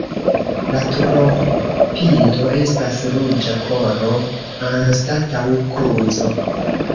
La turopinto estas ruĝa koro anstataŭ kruco.